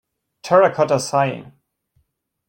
Terracotta Sighing.